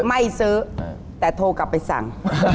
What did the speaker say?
ไม่ซื้อแต่โทรกลับไปสั่ง